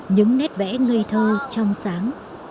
những nét vẽ ngây thơ trong sáng đêm